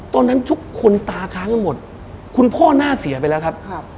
ตอนนั้นทุกคนตาค้างหมดคุณพ่อหน้าเสียไปแล้วครับ